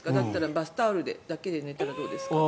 バスタオルだけで寝たらどうですかって。